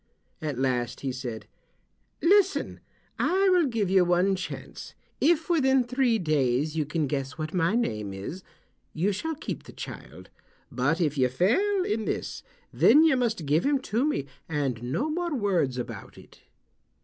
At last he said, "Listen, I will give you one chance. If within three days you can guess what my name is you shall keep the child, but if you fail in this then you must give him to me, and no more words about it."